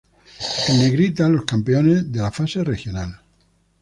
En negrita los campeones de la fase regional.